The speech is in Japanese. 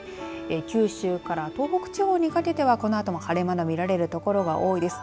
九州から東北地方にかけてはこのあとも晴れ間が見られる所が多いです。